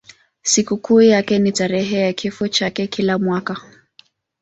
Sikukuu yake ni tarehe ya kifo chake kila mwaka.